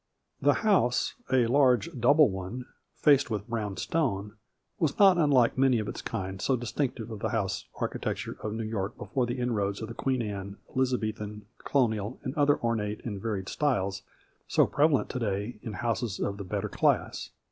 The house, a large double one, faced with brown stone, was not unlike many of its kind so distinctive of the house architecture of New York before the inroads of the Queen Anne, Elizabethan, Colonial and other ornate and varied styles so prevalent to day in houses of the better class.